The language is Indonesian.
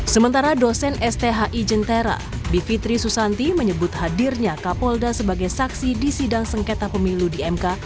sementara dosen sthi jentera bivitri susanti menyebut hadirnya kapolda sebagai saksi di sidang sengketa pemilu di mk